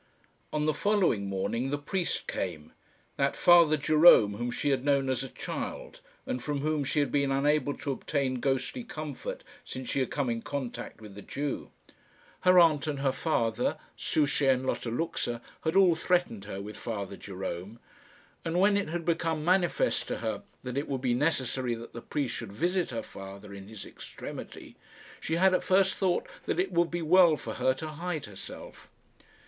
On the following morning the priest came that Father Jerome whom she had known as a child, and from whom she had been unable to obtain ghostly comfort since she had come in contact with the Jew. Her aunt and her father, Souchey and Lotta Luxa, had all threatened her with Father Jerome; and when it had become manifest to her that it would be necessary that the priest should visit her father in his extremity, she had at first thought that it would be well for her to hide herself.